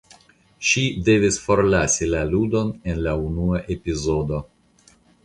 Ŝi devis forlasi la ludon en la unua epizodo.